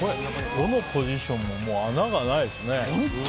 どのポジションも穴がないですね。